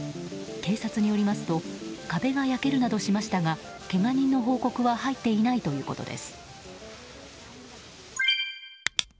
警察によりますと壁が焼けるなどしましたがけが人の報告は入っていないということです。